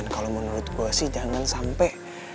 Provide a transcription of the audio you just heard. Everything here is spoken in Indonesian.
kalau menurut gue sih jangan sampai